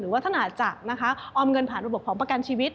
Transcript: หลังจากออมเงินผ่านกรบของประกันชีวิต